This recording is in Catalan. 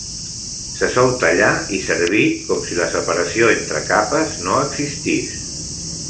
Se sol tallar i servir com si la separació entre capes no existís.